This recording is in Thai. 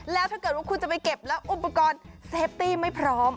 แล้วถ้าเกิดว่าคุณจะไปเก็บแล้วอุปกรณ์เซฟตี้ไม่พร้อม